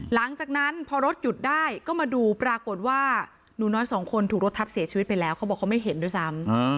หลังจากนั้นพอรถหยุดได้ก็มาดูปรากฏว่าหนูน้อยสองคนถูกรถทับเสียชีวิตไปแล้วเขาบอกเขาไม่เห็นด้วยซ้ำ